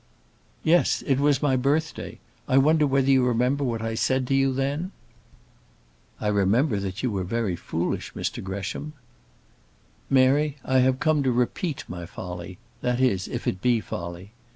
"Yes, it was my birthday. I wonder whether you remember what I said to you then?" "I remember that you were very foolish, Mr Gresham." "Mary, I have come to repeat my folly; that is, if it be folly.